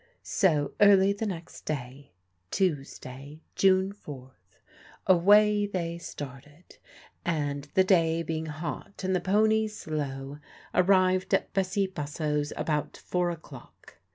So early the next day (Tuesday, June 4), away they started; and, the day being hot and the pony slow, arrived at Bessie Bussow's about four o'clock.